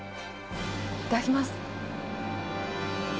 いただきます。